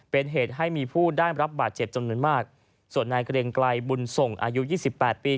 เป็นเหตุให้มีผู้ได้รับบาดเจ็บจำนวนมากส่วนนายเกรงไกลบุญส่งอายุยี่สิบแปดปี